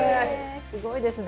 すごいですね。